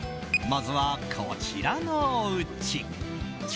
まずは、こちらのおうち。